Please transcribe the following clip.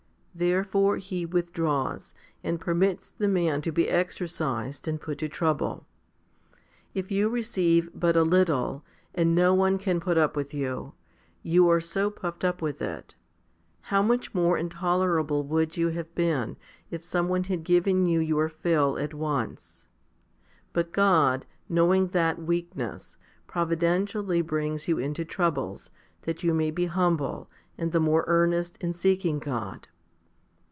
Therefore He withdraws, and permits the man to be exercised and put to trouble. If you receive but a little, and no one can put up with you, you are so puffed up with it, how much more intolerable you would have been if some one had given you your fill at once ' But God, knowing that weakness, providentially brings you into troubles, that you may be humble, and the more earnest in seeking God.